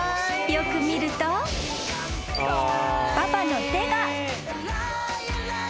［よく見るとパパの手が］